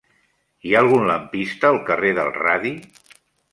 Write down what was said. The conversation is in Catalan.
Hi ha algun lampista al carrer del Radi?